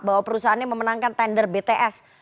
bahwa perusahaannya memenangkan tender bts